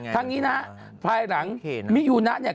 ทั้งนี้นะฮะภายหลังมิยูนะเนี่ย